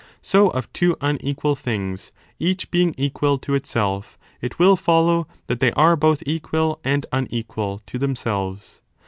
So of two unequal things each being equal to itself, it will follow that they are both equal and unequal to themselves.